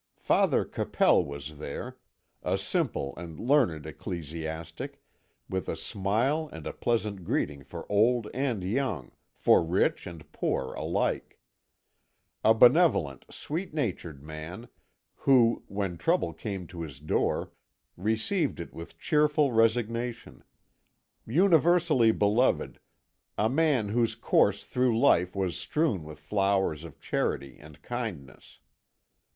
Father Capel was there a simple and learned ecclesiastic, with a smile and a pleasant greeting for old and young, for rich and poor alike. A benevolent, sweet natured man, who, when trouble came to his door, received it with cheerful resignation; universally beloved; a man whose course through life was strewn with flowers of charity and kindness.